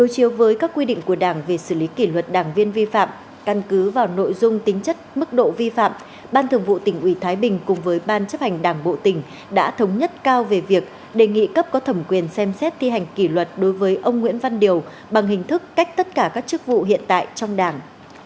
chiều với các quy định của đảng về xử lý kỷ luật đảng viên vi phạm căn cứ vào nội dung tính chất mức độ vi phạm ban thường vụ tỉnh ủy thái bình cùng với ban chấp hành đảng bộ tỉnh đã thống nhất cao về việc đề nghị cấp có thẩm quyền xem xét thi hành kỷ luật đối với ông nguyễn văn điều bằng hình thức cách tất cả các chức vụ hiện tại trong đảng